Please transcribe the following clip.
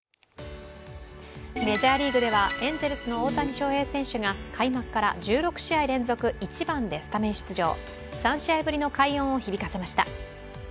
メジャーリーグではエンゼルスの大谷翔平戦が開幕から１６試合連続１番でスタメン出場、３試合ぶりの快音を響かせました。